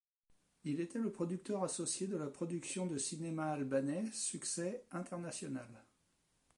Il était le producteur associé de la production de cinéma albanais succès international.